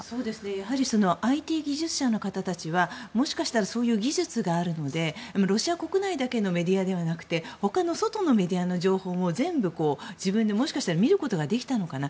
やはりＩＴ技術者の方たちはもしかしたらそういう技術があるのでロシア国内だけのメディアではなくて他の外のメディアの情報も全部自分で見ることができたのかな